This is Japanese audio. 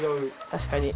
確かにね。